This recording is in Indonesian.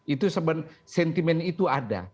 itu sebenarnya sentimen itu ada